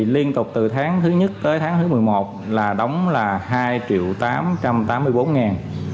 liên tục từ tháng thứ nhất tới tháng thứ một mươi một là đóng là hai triệu tám trăm tám mươi bốn ngàn